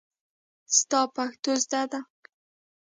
ستا پښتو زده ده.